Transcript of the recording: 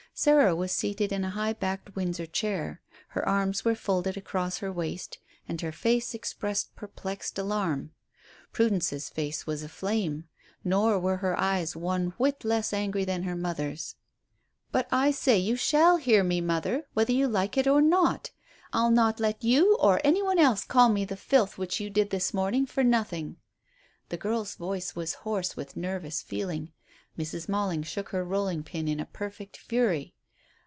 Sarah was seated in a high backed Windsor chair. Her arms were folded across her waist, and her face expressed perplexed alarm. Prudence's face was aflame; nor were her eyes one whit less angry than her mother's. "But I say you shall hear me, mother, whether you like it or not. I'll not let you or any one else call me the filth which you did this morning for nothing." The girl's voice was hoarse with nervous feeling, Mrs Mailing shook her rolling pin in a perfect fury.